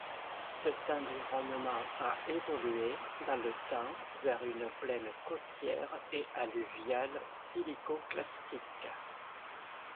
Cet environnement a évolué dans le temps vers une plaine côtière et alluviale silico-clastique.